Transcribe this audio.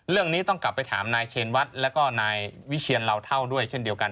เรื่องนี้ต้องกลับไปถามนายเชนวัดแล้วก็นายวิเชียนเหล่าเท่าด้วยเช่นเดียวกัน